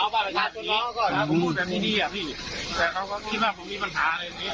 ผมพูดแบบนี้ดีอะพี่แต่เขาก็คิดว่าผมมีปัญหาเลยพี่